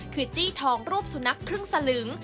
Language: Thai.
คือจี้ทองรูปสุนัขครึ่งสลึง